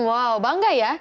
wow bangga ya